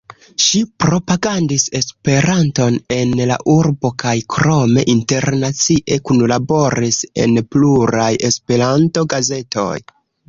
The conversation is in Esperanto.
Ŝi propagandis Esperanton en la urbo kaj krome internacie kunlaboris en pluraj Esperanto-gazetoj.